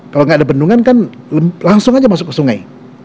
kalau nggak ada bendungan kan langsung aja masuk ke sungai